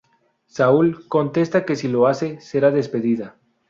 Saul contesta que si lo hace, será despedida.